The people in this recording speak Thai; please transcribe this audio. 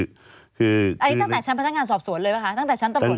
อันนี้ตั้งแต่ชั้นพนักงานสอบสวนเลยไหมคะ